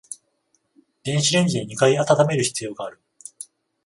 電子レンジで二回温める必要がある